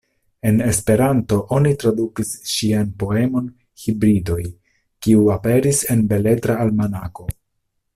En Esperanto oni tradukis ŝian poemon "Hibridoj", kiu aperis en Beletra Almanako.